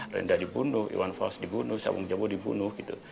renda dibunuh iwan vals dibunuh syabung jabo dibunuh gitu